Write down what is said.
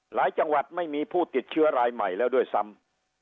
จังหวัดไม่มีผู้ติดเชื้อรายใหม่แล้วด้วยซ้ำ